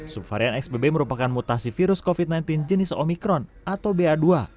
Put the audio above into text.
subvarian xbb merupakan mutasi virus covid sembilan belas jenis omikron atau ba dua